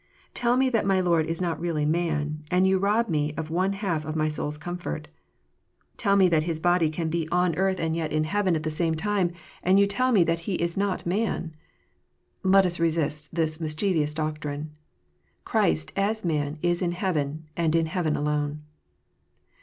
Tell me that my Lord is not really Man, and you rob me of one half of my soul s comfort. Tell me that His body can be on earth and 246 KNOTS UNTIED. yet in heaven at the same time, and you tell me that He is not Man. Let us resist this mischievous doctrine. Christ, as Man, is in heaven, and in heaven alone.